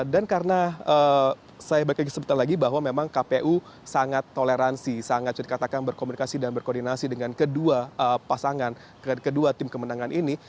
dan karena saya balik lagi sebentar lagi bahwa memang kpu sangat toleransi sangat bisa dikatakan berkomunikasi dan berkoordinasi dengan kedua pasangan kedua tim kemenangan ini